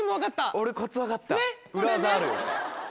俺コツ分かった。